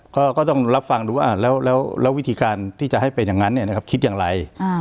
ก็ต้องรับฟังดูว่าแล้ววิธีการที่จะให้เป็นอย่างนั้นคิดอย่างไร